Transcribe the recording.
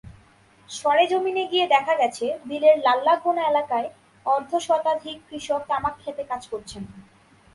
সরেজমিনে গিয়ে দেখা গেছে, বিলের লাল্যাঘোনা এলাকায় অর্ধশতাধিক কৃষক তামাকখেতে কাজ করছেন।